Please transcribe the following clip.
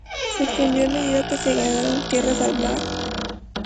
Se extendió a medida que se ganaron tierras al mar.